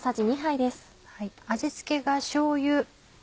味付けがしょうゆ。